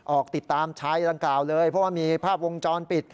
ออกติดตามชายดังกล่าวเลยเพราะว่ามีภาพวงจรปิด